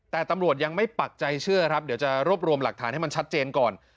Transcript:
แต่ตำรวจยังไม่ปักใจเชื่อครับเดี๋ยวจะรวบรวมหลักฐานให้มันชัดเจนก่อน